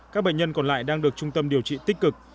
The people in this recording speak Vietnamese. các bệnh nhân còn lại đang được trung tâm điều trị tích cực